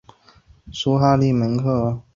苏哈列夫塔曾是莫斯科的门户。